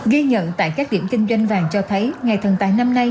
ghi nhận tại các điểm kinh doanh vàng cho thấy ngày thần tài năm nay